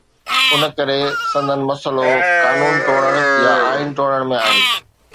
ان ڪري سندن مسئلو قانون ٽوڙڻ يا آئين ٽوڙڻ ۾ آهي.